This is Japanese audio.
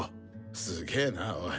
すげなおい。